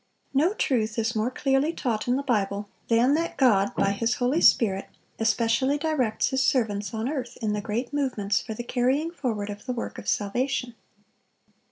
No truth is more clearly taught in the Bible than that God by His Holy Spirit especially directs His servants on earth in the great movements for the carrying forward of the work of salvation.